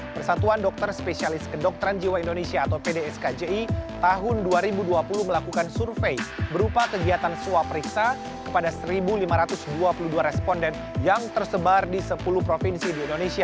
persatuan dokter spesialis kedokteran jiwa indonesia atau pdskji tahun dua ribu dua puluh melakukan survei berupa kegiatan suap periksa kepada satu lima ratus dua puluh dua responden yang tersebar di sepuluh provinsi di indonesia